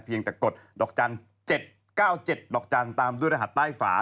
เพียงแต่กดดอกจาน๗๙๗ดอกจานตามด้วยรหัสใต้ฝา